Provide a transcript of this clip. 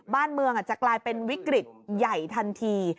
บ้านเมืองจะกลายเป็นวิกฤตใหญ่ทันที